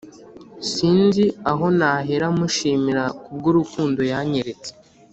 sinzi aho nahera mushimira kubw'urukundo yanyeretse